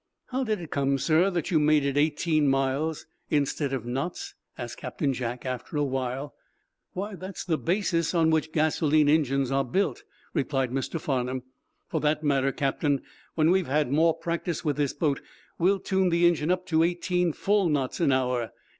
"How did it come, sir, that you made it eighteen miles, instead of knots?" asked Captain Jack, after a while. "Why, that's the basis on which gasoline engines are built," replied Mr. Farnum. "For that matter, captain, when we've had more practice with this boat we'll tune the engine up to eighteen full knots an hour.